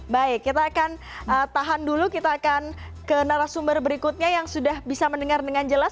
baik kita akan tahan dulu kita akan ke narasumber berikutnya yang sudah bisa mendengar dengan jelas